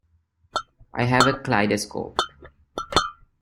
I have a kaleidoscope.